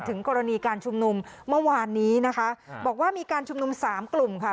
ถึงกรณีการชุมนุมเมื่อวานนี้นะคะบอกว่ามีการชุมนุมสามกลุ่มค่ะ